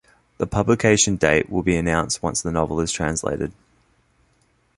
The publication date will be announced once the novel is translated.